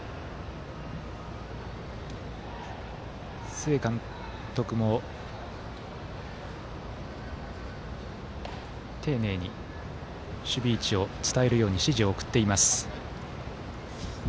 須江監督も丁寧に守備位置を伝えるように指示を送っています。